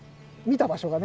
見た場所が。